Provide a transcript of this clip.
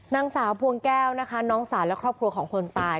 นางสาวพวงแก้วนะคะน้องสาวและครอบครัวของคนตาย